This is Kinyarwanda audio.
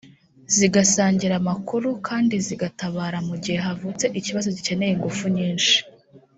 zigasangira amakuru kandizigatabara mu gihe havutse ikibazo gikeneye ingufu nyinshi